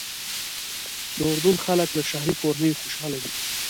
د اردن خلک له شاهي کورنۍ خوشاله دي.